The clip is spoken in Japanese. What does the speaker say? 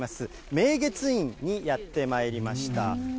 明月院にやってまいりました。